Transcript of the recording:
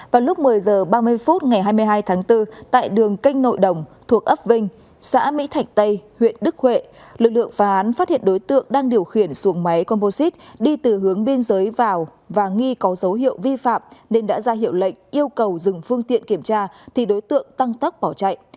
vào lúc một mươi h ba mươi phút ngày hai mươi hai tháng bốn tại đường canh nội đồng thuộc ấp vinh xã mỹ thạch tây huyện đức huệ lực lượng phá án phát hiện đối tượng đang điều khiển xuống máy composite đi từ hướng biên giới vào và nghi có dấu hiệu vi phạm nên đã ra hiệu lệnh yêu cầu dừng phương tiện kiểm tra thì đối tượng tăng tốc bỏ chạy